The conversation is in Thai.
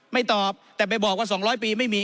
ตอบแต่ไปบอกว่า๒๐๐ปีไม่มี